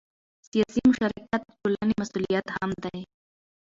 سیاسي مشارکت د ټولنې مسؤلیت هم دی